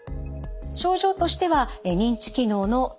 症状としては認知機能の低下。